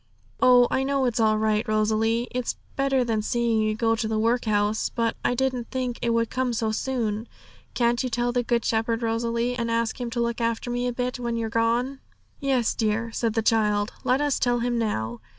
'Oh, I know it's all right, Rosalie; it's better than seeing you go to the workhouse; but I didn't think it would come so soon. Can't you tell the Good Shepherd, Rosalie, and ask Him to look after me a bit, when you're gone?' 'Yes, dear,' said the child; 'let us tell Him now.'